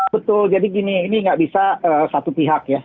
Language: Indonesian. betul jadi gini ini nggak bisa satu pihak ya